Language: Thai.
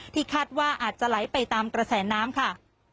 คาดว่าอาจจะไหลไปตามกระแสน้ำค่ะ